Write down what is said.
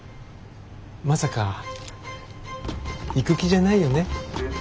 まさか行く気じゃないよね？